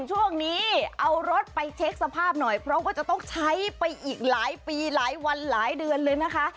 ช่วงนี้เอารถไปเช็คสภาพหน่อยเพราะว่าจะต้องใช้ไปอีกหลายปีหลายวันหลายเดือนเลยนะคะ